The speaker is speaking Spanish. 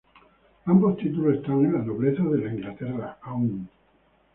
Ambos títulos están en la nobleza de Inglaterra aún.